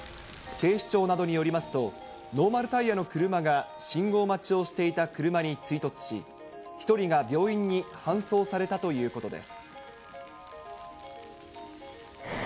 警視庁などによりますと、ノーマルタイヤの車が、信号待ちをしていた車に追突し、１人が病院に搬送されたということです。